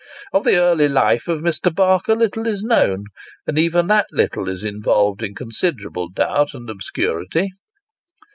Of the early life of Mr. Barker little is known, and even that little is involved in con siderable doubt and obscurity.